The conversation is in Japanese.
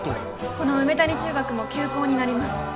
この梅谷中学も休校になります。